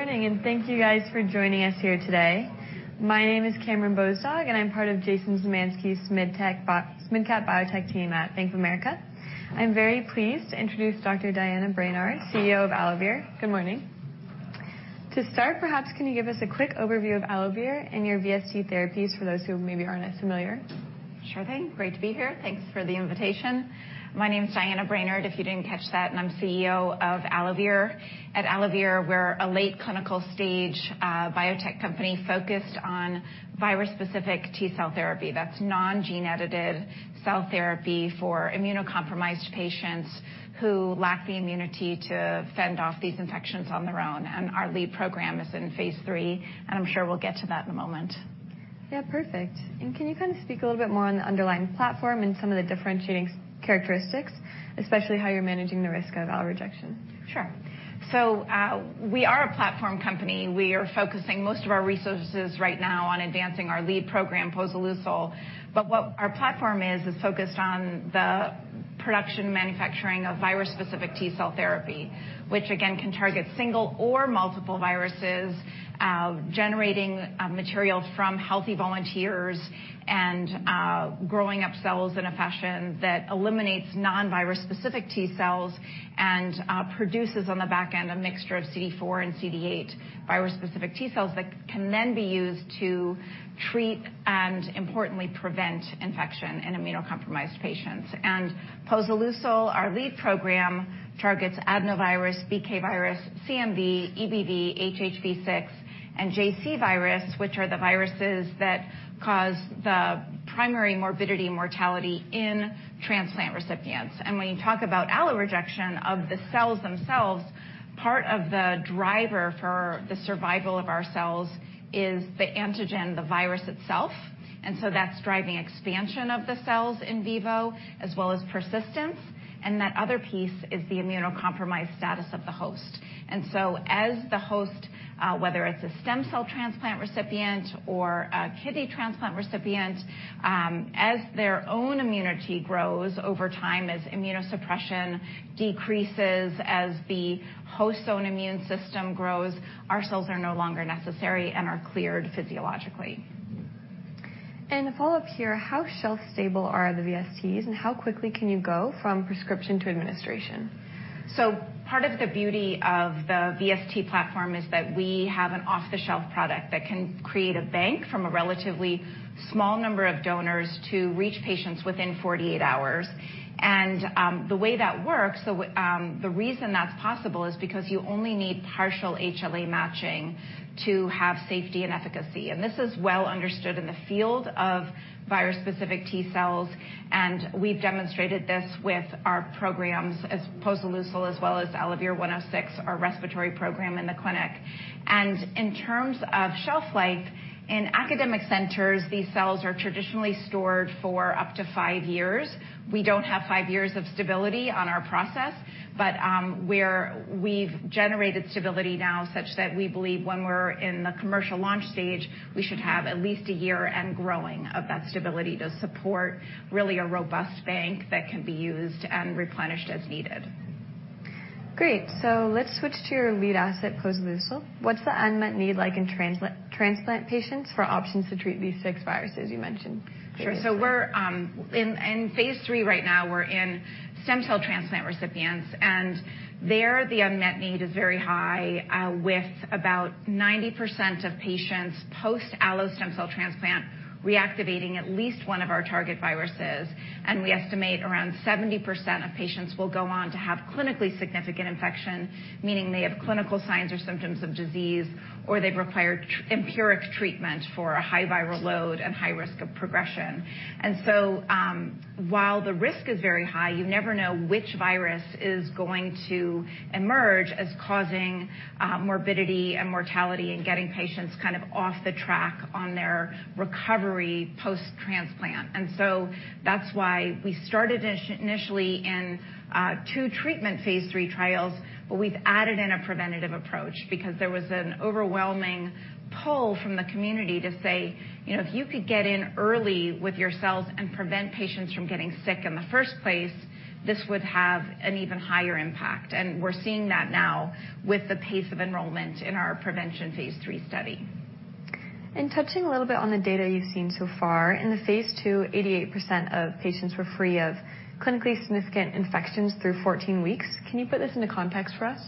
Good morning, thank you guys for joining us here today. My name is Cameron Bozdog, and I'm part of Jason Zemelis' mid-cap biotech team at Bank of America. I'm very pleased to introduce Dr. Diana Brainard, CEO of AlloVir. Good morning. To start, perhaps can you give us a quick overview of AlloVir and your VST therapies for those who maybe aren't as familiar? Sure thing. Great to be here. Thanks for the invitation. My name's Diana Brainard, if you didn't catch that, and I'm CEO of AlloVir. At AlloVir, we're a late clinical stage, biotech company focused on virus-specific T-cell therapy. That's non-gene edited cell therapy for immunocompromised patients who lack the immunity to fend off these infections on their own. Our lead program is phase 3, and I'm sure we'll get to that in a moment. Perfect. Can you kind of speak a little bit more on the underlying platform and some of the differentiating characteristics, especially how you're managing the risk of allorejection? Sure. We are a platform company. We are focusing most of our resources right now on advancing our lead program, posoleucel. What our platform is focused on the production manufacturing of virus-specific T-cell therapy, which again can target single or multiple viruses, generating materials from healthy volunteers and growing up cells in a fashion that eliminates non-virus specific T-cells and produces on the back end a mixture of CD4 and CD8 virus-specific T-cells that can then be used to treat and importantly prevent infection in immunocompromised patients. Posoleucel, our lead program, targets adenovirus, BK virus, CMV, EBV, HHV6, and JC virus, which are the viruses that cause the primary morbidity and mortality in transplant recipients. When you talk about allorejection of the cells themselves, part of the driver for the survival of our cells is the antigen, the virus itself. That's driving expansion of the cells in vivo as well as persistence. That other piece is the immunocompromised status of the host. As the host, whether it's a stem cell transplant recipient or a kidney transplant recipient, as their own immunity grows over time as immunosuppression decreases, as the host's own immune system grows, our cells are no longer necessary and are cleared physiologically. To follow up here, how shelf stable are the VSTs and how quickly can you go from prescription to administration? part of the beauty of the VST platform is that we have an off-the-shelf product that can create a bank from a relatively small number of donors to reach patients within 48 hours. The way that works, the reason that's possible is because you only need partial HLA matching to have safety and efficacy. This is well understood in the field of virus-specific T-cells, and we've demonstrated this with our programs as posoleucel as well as ALVR106, our respiratory program in the clinic. In terms of shelf life, in academic centers, these cells are traditionally stored for up to 5 years. We don't have five years of stability on our process, but we've generated stability now such that we believe when we're in the commercial launch stage, we should have at least a year and growing of that stability to support really a robust bank that can be used and replenished as needed. Great. Let's switch to your lead asset posoleucel. What's the unmet need like in transplant patients for options to treat these six viruses you mentioned previously? Sure. We're phase 3 right now, we're in stem cell transplant recipients. There the unmet need is very high, with about 90% of patients post-allo stem cell transplant reactivating at least one of our target viruses. We estimate around 70% of patients will go on to have clinically significant infection, meaning they have clinical signs or symptoms of disease, or they've required empiric treatment for a high viral load and high risk of progression. While the risk is very high, you never know which virus is going to emerge as causing morbidity and mortality and getting patients kind of off the track on their recovery post-transplant. That's why we started initially in phase 3 trials, but we've added in a preventative approach because there was an overwhelming pull from the community to say, you know, if you could get in early with your cells and prevent patients from getting sick in the first place, this would have an even higher impact. We're seeing that now with the pace of enrollment in our phase 3 study. Touching a little bit on the data you've seen so far. In the phase 2, 88% of patients were free of clinically significant infections through 14 weeks. Can you put this into context for us?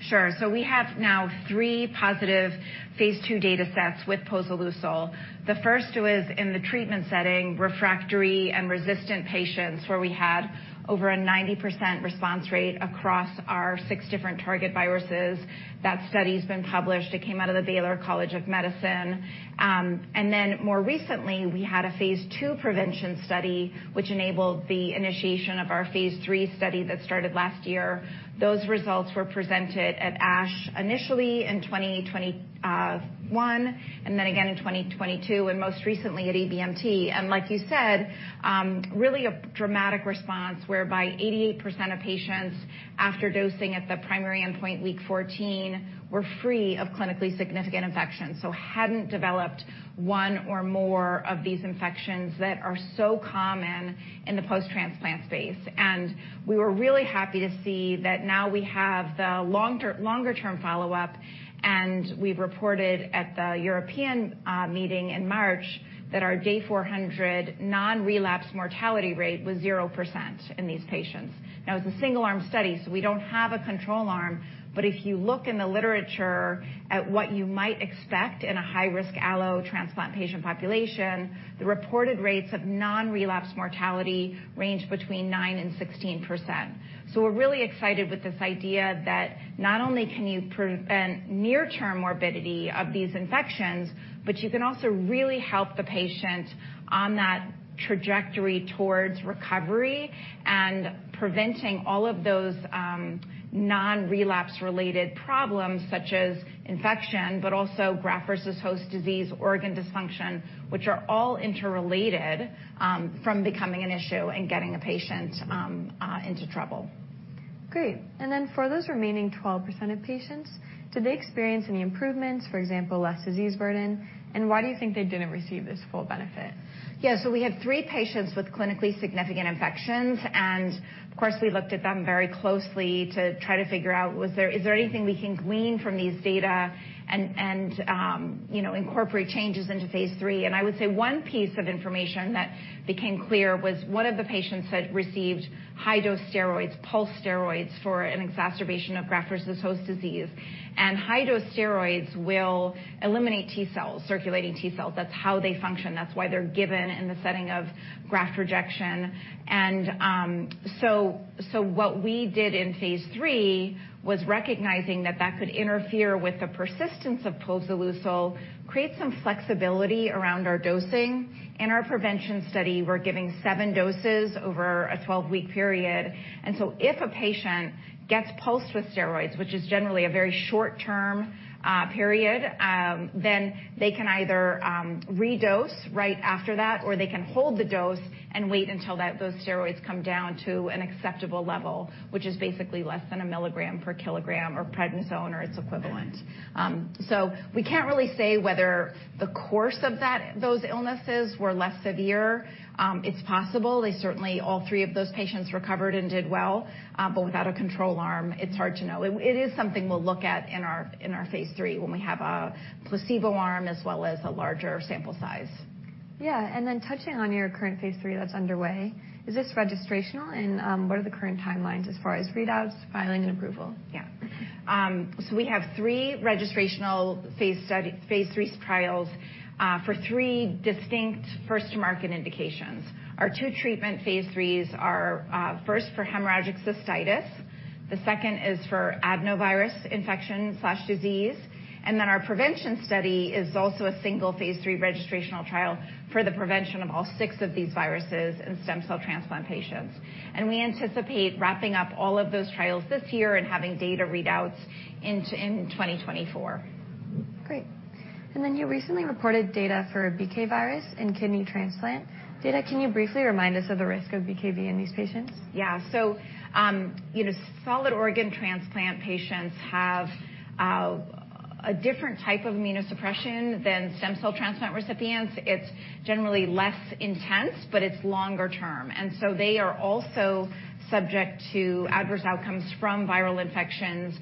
Sure. We have now 3 positive phase 2 datasets with posoleucel. The first was in the treatment setting, refractory and resistant patients, where we had over a 90% response rate across our 6 different target viruses. That study's been published. It came out of the Baylor College of Medicine. More recently, we had a phase 2 prevention study, which enabled the initiation of phase 3 study that started last year. Those results were presented at ASH initially in 2021, and then again in 2022, and most recently at EBMT. Like you said, really a dramatic response whereby 88% of patients after dosing at the primary endpoint week 14 were free of clinically significant infections, so hadn't developed one or more of these infections that are so common in the post-transplant space. We were really happy to see that now we have the longer-term follow-up, and we've reported at the European meeting in March. That our day 400 non-relapse mortality rate was 0% in these patients. It's a single arm study, so we don't have a control arm. If you look in the literature at what you might expect in a high-risk allo transplant patient population, the reported rates of non-relapse mortality range between 9% and 16%. We're really excited with this idea that not only can you prevent near term morbidity of these infections, but you can also really help the patient on that trajectory towards recovery and preventing all of those non-relapse-related problems such as infection, but also graft-versus-host disease, organ dysfunction, which are all interrelated from becoming an issue and getting a patient into trouble. Great. For those remaining 12% of patients, did they experience any improvements, for example, less disease burden? Why do you think they didn't receive this full benefit? We had 3 patients with clinically significant infections, and of course, we looked at them very closely to try to figure out is there anything we can glean from these data and, you know, incorporate changes phase 3. i would say one piece of information that became clear was one of the patients had received high-dose steroids, pulse steroids for an exacerbation of graft-versus-host disease. High-dose steroids will eliminate T cells, circulating T cells. That's how they function. That's why they're given in the setting of graft rejection. What we did phase 3 was recognizing that that could interfere with the persistence of posoleucel, create some flexibility around our dosing. In our prevention study, we're giving 7 doses over a 12-week period. If a patient gets pulsed with steroids, which is generally a very short-term period, then they can either redose right after that, or they can hold the dose and wait until those steroids come down to an acceptable level, which is basically less than one milligram per kilogram of prednisone or its equivalent. We can't really say whether the course of those illnesses were less severe. It's possible. They certainly, all three of those patients recovered and did well, but without a control arm, it's hard to know. It is something we'll look at in phase 3 when we have a placebo arm as well as a larger sample size. Touching on your phase 3 that's underway, is this registrational, and, what are the current timelines as far as readouts, filing, and approval? We have 3 phase 3 trials for 3 distinct first-to-market indications. Our 2 phase 3s are first for hemorrhagic cystitis, the second is for adenovirus infection/disease, then our prevention study is also a phase 3 registrational trial for the prevention of all 6 of these viruses in stem cell transplant patients. We anticipate wrapping up all of those trials this year and having data readouts in 2024. Great. You recently reported data for BK virus in kidney transplant data. Can you briefly remind us of the risk of BKV in these patients?. You know, solid organ transplant patients have a different type of immunosuppression than stem cell transplant recipients. It's generally less intense, but it's longer term. They are also subject to adverse outcomes from viral infections,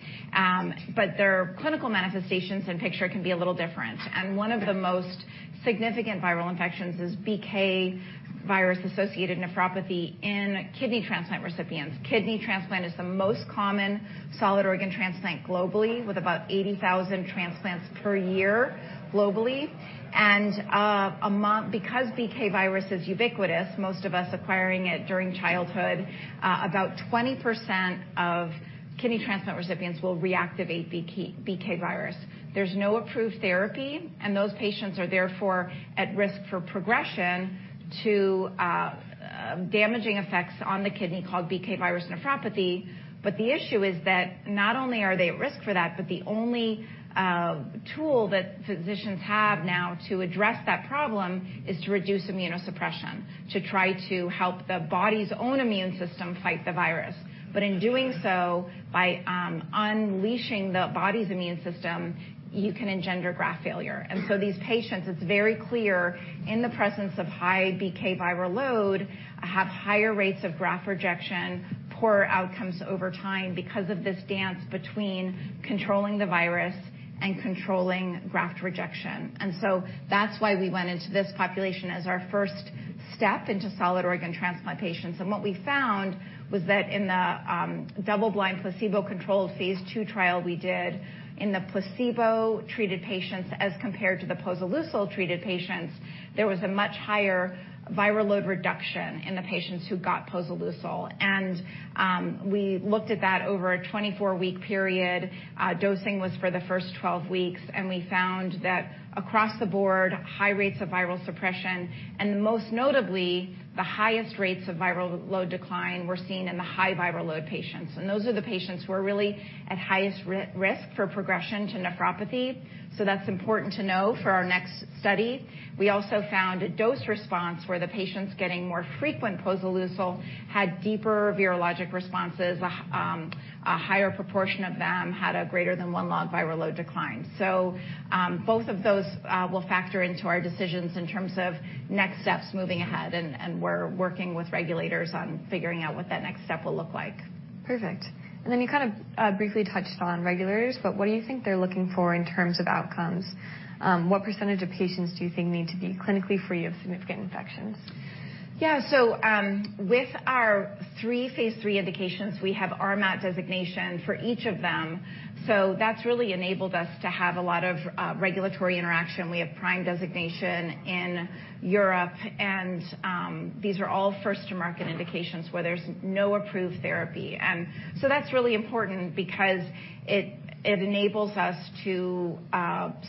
but their clinical manifestations and picture can be a little different. One of the most significant viral infections is BK virus-associated nephropathy in kidney transplant recipients. Kidney transplant is the most common solid organ transplant globally with about 80,000 transplants per year globally. Because BK virus is ubiquitous, most of us acquiring it during childhood, about 20% of kidney transplant recipients will reactivate BK virus. There's no approved therapy, those patients are therefore at risk for progression to damaging effects on the kidney called BK virus nephropathy. The issue is that not only are they at risk for that, but the only tool that physicians have now to address that problem is to reduce immunosuppression, to try to help the body's own immune system fight the virus. In doing so, by unleashing the body's immune system, you can engender graft failure. These patients, it's very clear in the presence of high BK viral load, have higher rates of graft rejection, poorer outcomes over time because of this dance between controlling the virus and controlling graft rejection. That's why we went into this population as our first step into solid organ transplant patients. What we found was that in the double-blind placebo-controlled phase two trial we did in the placebo-treated patients as compared to the posoleucel-treated patients, there was a much higher viral load reduction in the patients who got posoleucel. We looked at that over a 24-week period. Dosing was for the first 12 weeks, and we found that across the board, high rates of viral suppression, and most notably, the highest rates of viral load decline were seen in the high viral load patients. Those are the patients who are really at highest risk for progression to nephropathy, that's important to know for our next study. We also found a dose response where the patients getting more frequent posoleucel had deeper virologic responses. A higher proportion of them had a greater than one log viral load decline. Both of those will factor into our decisions in terms of next steps moving ahead, and we're working with regulators on figuring out what that next step will look like. Perfect. You kind of briefly touched on regulators, but what do you think they're looking for in terms of outcomes? What % of patients do you think need to be clinically free of significant infections? With our phase 3 indications, we have RMAT designation for each of them. That's really enabled us to have a lot of regulatory interaction. We have PRIME designation in Europe, these are all first to market indications where there's no approved therapy. That's really important because it enables us to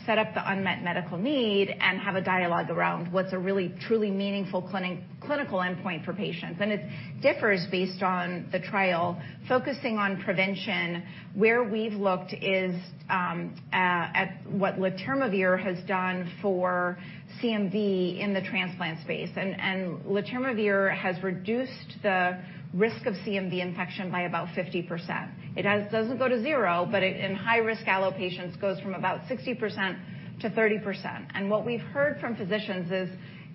set up the unmet medical need and have a dialogue around what's a really truly meaningful clinical endpoint for patients. It differs based on the trial. Focusing on prevention, where we've looked is at what letermovir has done for CMV in the transplant space. letermovir has reduced the risk of CMV infection by about 50%. Doesn't go to zero, but in high risk allo patients, goes from about 60% to 30%. What we've heard from physicians is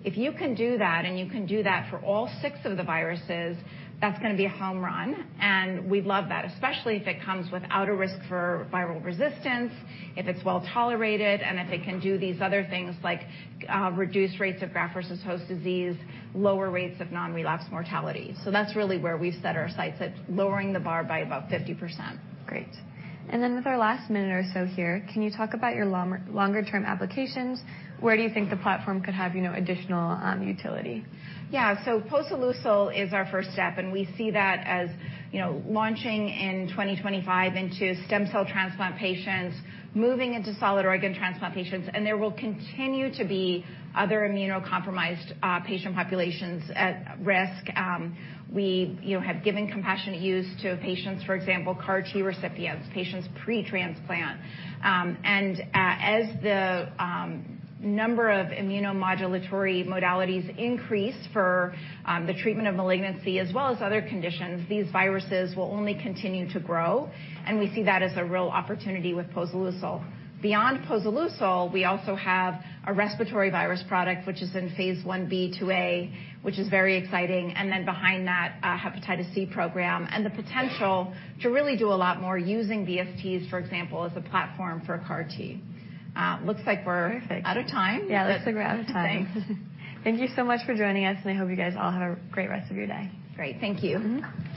if you can do that, and you can do that for all six of the viruses, that's gonna be a home run, and we'd love that, especially if it comes without a risk for viral resistance, if it's well tolerated, and if it can do these other things like, reduce rates of graft-versus-host disease, lower rates of non-relapse mortality. That's really where we've set our sights, at lowering the bar by about 50%. Great. With our last minute or so here, can you talk about your long-longer term applications? Where do you think the platform could have, you know, additional utility? Posoleucel is our first step, and we see that as, you know, launching in 2025 into stem cell transplant patients, moving into solid organ transplant patients, and there will continue to be other immunocompromised patient populations at risk. We, you know, have given compassionate use to patients, for example, CAR-T recipients, patients pre-transplant. As the number of immunomodulatory modalities increase for the treatment of malignancy as well as other conditions, these viruses will only continue to grow, and we see that as a real opportunity with posoleucel. Beyond posoleucel, we also have a respiratory virus product which is in phase 1b/2a, which is very exciting. Behind that, a hepatitis C program, and the potential to really do a lot more using VSTs, for example, as a platform for CAR-T. Perfect. Out of time. Looks like we're out of time. Thanks. Thank you so much for joining us, and I hope you guys all have a great rest of your day. Great. Thank you. Mm-hmm.